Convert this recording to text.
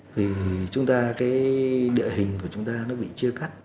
vì chúng ta cái địa hình của chúng ta nó bị chia cắt